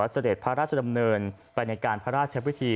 เสด็จพระราชดำเนินไปในการพระราชวิธี